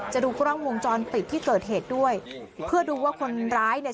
ดูกล้องวงจรปิดที่เกิดเหตุด้วยเพื่อดูว่าคนร้ายเนี่ย